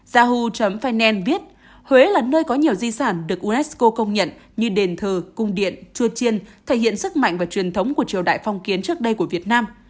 zahu vn biết huế là nơi có nhiều di sản được unesco công nhận như đền thờ cung điện chua chiên thể hiện sức mạnh và truyền thống của triều đại phong kiến trước đây của việt nam